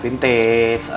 untuk lebih banyak orang